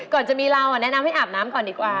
ก่อนจะมีเราแนะนำให้อาบน้ำก่อนดีกว่า